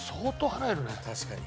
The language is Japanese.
確かに。